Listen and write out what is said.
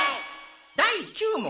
第９問。